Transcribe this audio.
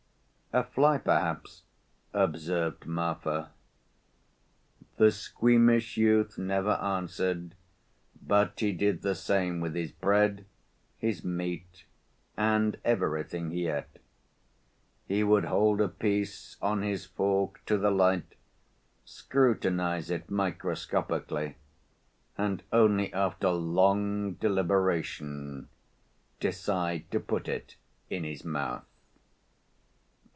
"A fly, perhaps," observed Marfa. The squeamish youth never answered, but he did the same with his bread, his meat, and everything he ate. He would hold a piece on his fork to the light, scrutinize it microscopically, and only after long deliberation decide to put it in his mouth.